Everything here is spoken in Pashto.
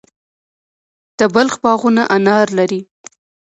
د بلخ باغونه انار لري.